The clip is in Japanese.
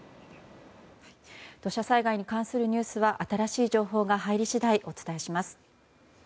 土砂災害に関するニュースは新しい情報が入り次第お伝えします。